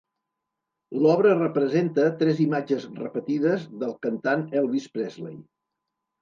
L'obra representa tres imatges repetides del cantant Elvis Presley.